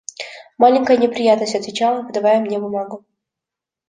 «Маленькая неприятность, – отвечал он, подавая мне бумагу.